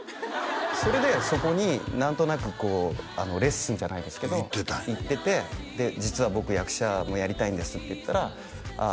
それでそこに何となくレッスンじゃないですけど行っててで実は僕役者もやりたいんですって言ったらああ